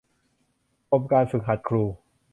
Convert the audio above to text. กรมการฝึกหัดครู